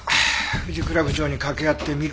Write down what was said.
藤倉部長に掛け合ってみる。